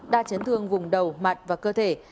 đa chấn thương vùng đầu mặt và cơ thể